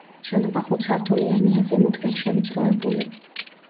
შენობა ხუთსართულიანია, ზემოთკენ შევიწროებული.